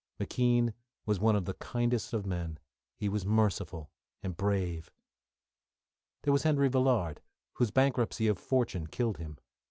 McKean was one of the kindest of men; he was merciful and brave. There was Henry Villard, whose bankruptcy of fortune killed him.